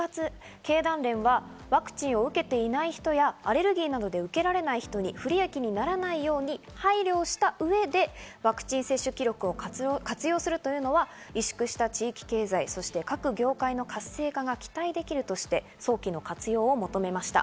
経団連はワクチンを受けていない人や、アレルギーなどで受けられない人に不利益にならないように配慮をした上でワクチン接種記録を活用するというのは、萎縮した地域経済、各業界の活性化が期待できるとして早期の活用も求めました。